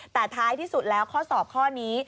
แต่ท้ายที่สุดแล้วข้อสอบข้อนี้